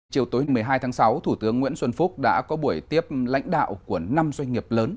chiều tối một mươi hai tháng sáu thủ tướng nguyễn xuân phúc đã có buổi tiếp lãnh đạo của năm doanh nghiệp lớn